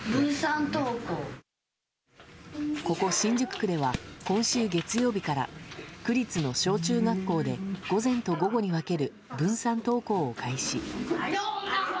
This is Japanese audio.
ここ新宿区では今週月曜日から区立の小中学校で午前と午後に分ける分散登校を開始。